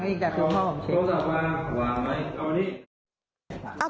อีกแต่คือพ่อผมเช็ค